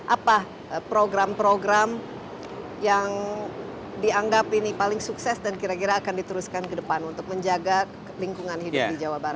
apa program program yang dianggap ini paling sukses dan kira kira akan diteruskan ke depan untuk menjaga lingkungan hidup di jawa barat